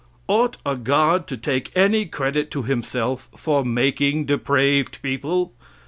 Ought a god to take any credit to himself for making depraved people?